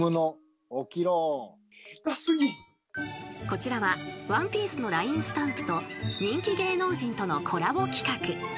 ［こちらは『ワンピース』のＬＩＮＥスタンプと人気芸能人とのコラボ企画］